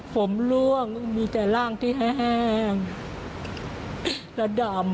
ผมร่วงมีแต่ร่างที่แห้งและดำแห้งดำ